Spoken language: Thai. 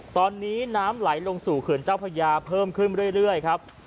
ตอนนี้น้ำไหลลงสู่เขื่อนเจ้าพญาเพิ่มขึ้นเรื่อยครับ